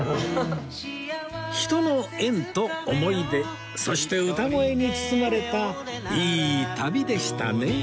人の縁と思い出そして歌声に包まれたいい旅でしたね